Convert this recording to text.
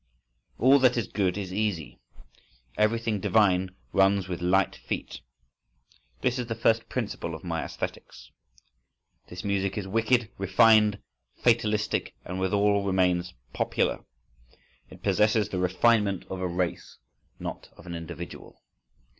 "All that is good is easy, everything divine runs with light feet": this is the first principle of my æsthetics. This music is wicked, refined, fatalistic, and withal remains popular,—it possesses the refinement of a race, not of an individual.